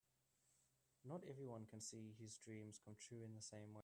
Not everyone can see his dreams come true in the same way.